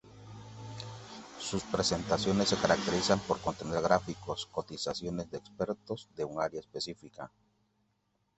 Sus presentaciones se caracterizan por contener gráficos, cotizaciones de expertos de un área específica.